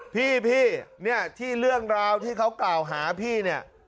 พี่เนี่ยที่เรื่องราวที่เขากล่าวหาพี่เนี่ย